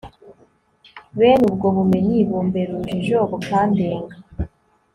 bene ubwo bumenyi bumbera urujijo bukandenga